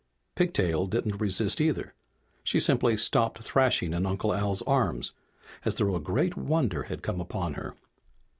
Pigtail didn't resist, either. She simply stopped thrashing in Uncle Al's arms, as though a great wonder had come upon her.